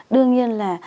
đương nhiên là